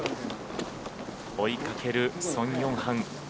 追いかけるソン・ヨンハン。